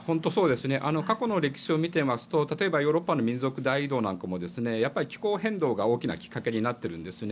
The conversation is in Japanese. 過去の歴史を見ていますとヨーロッパの民族大移動なんかも気候変動が大きなきっかけになっているんです。